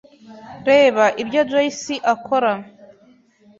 Reba ibyo Joyci akora.